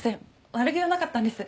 悪気はなかったんです。